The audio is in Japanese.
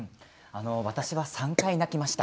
私は３回泣きました。